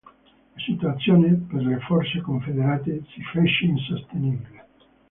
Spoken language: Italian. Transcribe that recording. La situazione, per le forze confederate, si fece insostenibile.